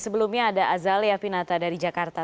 sebelumnya ada azalea pinata dari jakarta